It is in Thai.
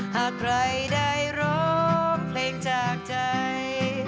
หากใครได้ร้องเพลงจากใจ